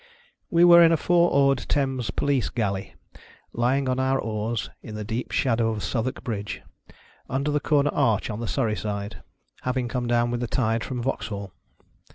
We were in a four oared Thames Police Galley, lying on our oars in the deep shadow of Southwark Bridge — under the corner arch : on the Surrey side — having come down with | the tide from Vauxhall.